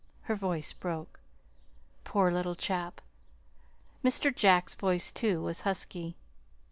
Her voice broke. "Poor little chap!" Mr. Jack's voice, too, was husky.